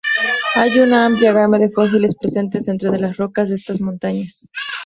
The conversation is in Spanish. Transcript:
Hay una amplia gama de fósiles presentes dentro de las rocas de estas montañas.